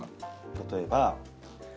例えば。